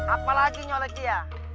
apalagi nyolek dia